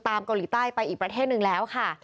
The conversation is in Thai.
เกาหลีใต้ไปอีกประเทศหนึ่งแล้วค่ะ